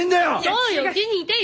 そうようちにいてよ！